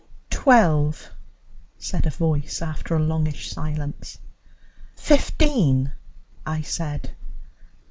"Twelve," said a voice after a longish silence. "Fifteen," I said.